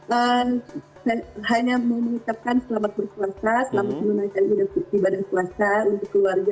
hanya mau mengucapkan selamat berkuasa selamat menunjukan hidup di badan kuasa untuk keluarga